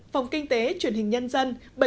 phòng kinh tế truyền hình nhân dân